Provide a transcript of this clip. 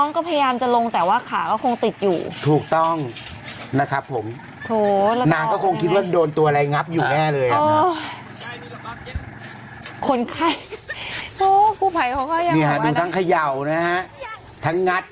คนไข้โอ๊ยผู้ไฝ่เขาก็ยังกำลังเนี่ยให้ดูทั้งขยัวนะฮะทั้งงัด